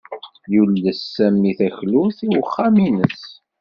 Yules Sami taklut i uxxam-nnes.